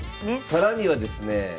更にはですね